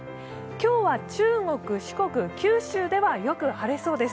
今日は中国、四国、九州ではよく晴れそうです。